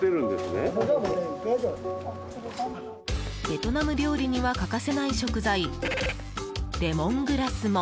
ベトナム料理には欠かせない食材、レモングラスも。